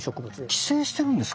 寄生してるんですか。